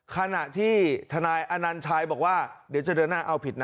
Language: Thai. ขณะที่ทนายอนัญชัยบอกว่าเดี๋ยวจะเดินหน้าเอาผิดนะ